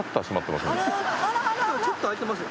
ちょっと開いてますよ。